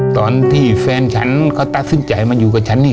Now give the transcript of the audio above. ตอนที่แฟนฉันเขาตัดสินใจมาอยู่กับฉันนี่